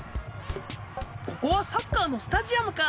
ここはサッカーのスタジアムか。